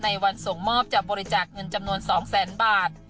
วันส่งมอบจะบริจาคเงินจำนวน๒แสนบาท